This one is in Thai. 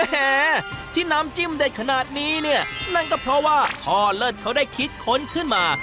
แหมที่น้ำจิ้มเด็ดขนาดนี้เนี่ยนั่นก็เพราะว่าพ่อเลิศเขาได้คิดค้นขึ้นมา